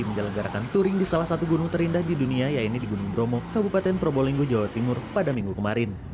menyelenggarakan touring di salah satu gunung terindah di dunia yaitu di gunung bromo kabupaten probolinggo jawa timur pada minggu kemarin